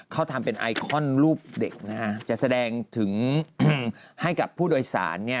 เขาทำเป็นไอคอนรูปเด็กนะฮะจะแสดงถึงให้กับผู้โดยสาร